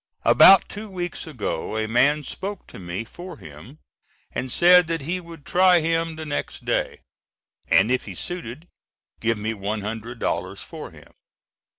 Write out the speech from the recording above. About two weeks ago a man spoke to me for him and said that he would try him the next day, and if he suited, give me $100 for him.